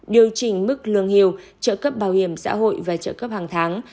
điều chỉnh mức lương hưu trợ cấp bảo hiểm xã hội và trợ cấp hàng tháng